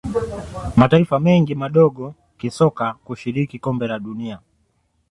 mataifa mengi madogo kisoka hushiriki kombe la dunia